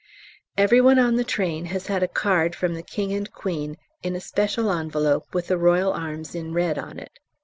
Every one on the train has had a card from the King and Queen in a special envelope with the Royal Arms in red on it.